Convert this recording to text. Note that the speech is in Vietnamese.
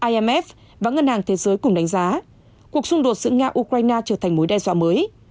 imf và ngân hàng thế giới cùng đánh giá cuộc xung đột giữa nga ukraine trở thành mối đe dọa mới